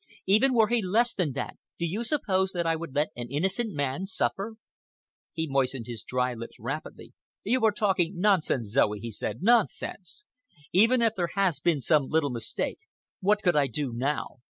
Even were he less than that, do you suppose that I would let an innocent man suffer?" He moistened his dry lips rapidly. "You are talking nonsense, Zoe," he said,—"nonsense! Even if there has been some little mistake, what could I do now?